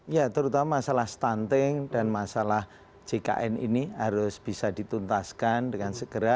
ya terutama masalah stunting dan masalah jkn ini harus bisa dituntaskan dengan segera